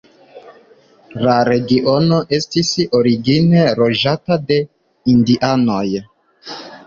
La regiono estis origine loĝata de indianoj.